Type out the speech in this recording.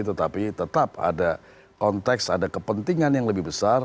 tetapi tetap ada konteks ada kepentingan yang lebih besar